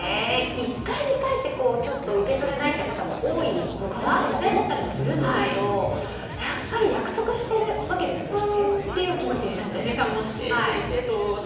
１回、２回って受け取れないという方も多いのかなと思ったりするんですけどやっぱり約束しているわけですからね時間も指定していてと。